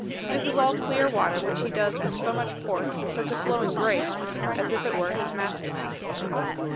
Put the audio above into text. This is all clear water, which he does with so much port and such a flowing grace, as if it were his master piece.